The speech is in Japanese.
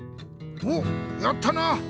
おっやったな！